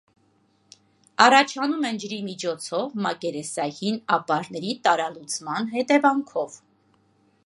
Առաջանում են ջրի միջոցով մակերեսային ապարների տարրալուծման հետևանքով։